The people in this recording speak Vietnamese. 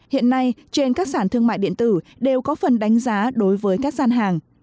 hiện nay trên các sản thương mại điện tử đều có phần đánh giá đối với các gian hàng